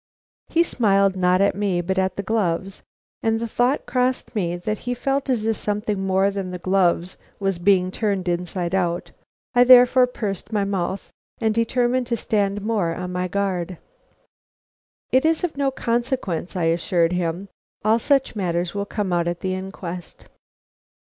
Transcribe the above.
He smiled, not at me but at the gloves, and the thought crossed me that he felt as if something more than the gloves was being turned inside out. I therefore pursed my mouth, and determined to stand more on my guard. "It is of no consequence," I assured him; "all such matters will come out at the inquest."